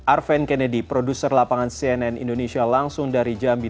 arven kennedy produser lapangan cnn indonesia langsung dari jambi